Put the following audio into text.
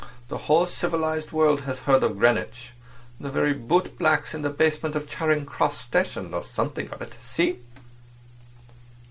The whole civilised world has heard of Greenwich. The very boot blacks in the basement of Charing Cross Station know something of it. See?"